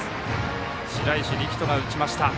白石力翔が打ちました。